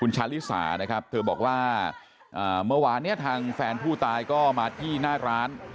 ชาลิสานะครับเธอบอกว่าเมื่อวานเนี่ยทางแฟนผู้ตายก็มาที่หน้าร้าน